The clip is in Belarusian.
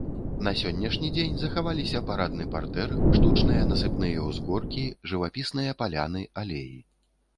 На сённяшні дзень захаваліся парадны партэр, штучныя насыпныя ўзгоркі, жывапісныя паляны, алеі.